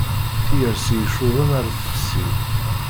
Tiyersi icudden ar tefsi.